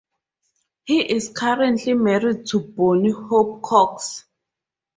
He is currently married to Bonnie Hope Cox.